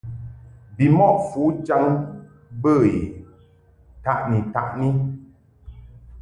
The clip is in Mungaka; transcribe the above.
Bimɔʼ fujaŋ bə I ntaʼni-taʼni.